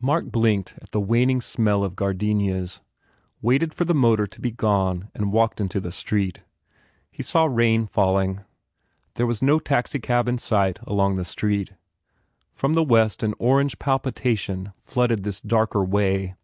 Mark blinked in the waning smell of gardenias, waited for the motor to be gone and walked into the street. He saw rain falling. There was no taxicab in sight along the street. From the west an orange palpitation flooded this darker way.